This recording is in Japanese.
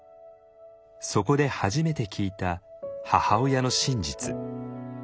そこで初めて聞いた母親の真実。